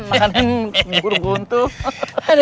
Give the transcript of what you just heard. makanan burung kuntul